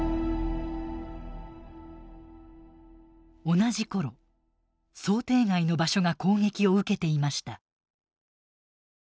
同じ頃想定外の場所が攻撃を受けていました。